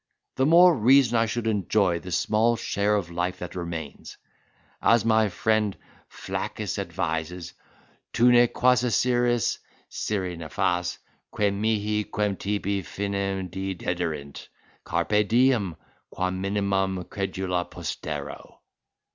the more reason I should enjoy the small share of life that remains, as my friend Flaccus advises: 'Tu ne quaesieris (scire nefas) quem mihi, quem tibi finem dii dederint. Carpe diem, quam minimum credula postero.